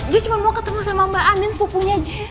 jess cuma mau ketemu sama mbak andin sepupunya jess